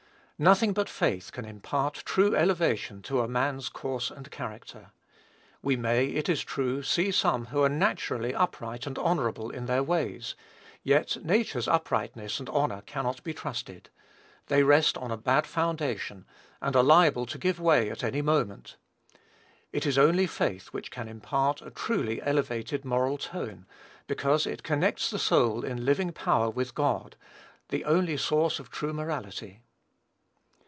Nothing but faith can impart true elevation to a man's course and character. We may, it is true, see some who are naturally upright and honorable in their ways, yet nature's uprightness and honor cannot be trusted: they rest on a bad foundation, and are liable to give way at any moment. It is only faith which can impart a truly elevated moral tone, because it connects the soul in living power with God, the only Source of true morality.